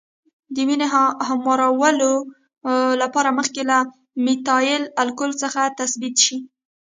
د وینې هموارولو لپاره مخکې له میتایل الکولو څخه تثبیت شي.